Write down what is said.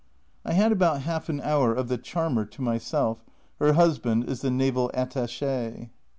I had about half an hour of the Charmer to myself her husband is the Naval Attache.